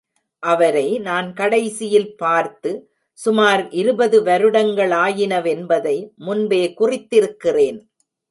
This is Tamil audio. அவரை நான் கடைசியில் பார்த்து, சுமார் இருபது வருடங்களாயினவென்பதை முன்பே குறித்திருக்கிறேன்.